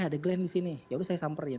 eh ada glenn di sini yaudah saya samperin